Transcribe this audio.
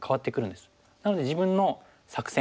なので自分の作戦。